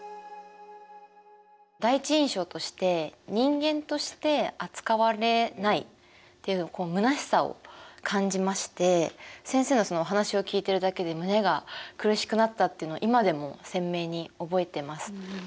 第一印象として人間として扱われないっていうむなしさを感じまして先生のお話を聞いているだけで胸が苦しくなったっていうのを今でも鮮明に覚えてます。